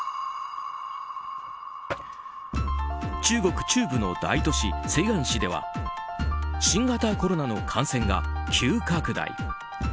中国中部の大都市・西安市では新型コロナの感染が急拡大。